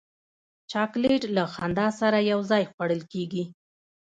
چاکلېټ له خندا سره یو ځای خوړل کېږي.